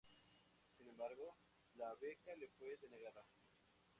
Sin embargo, la beca le fue denegada.